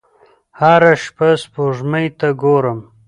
هره شپه سپوږمۍ ته ګورم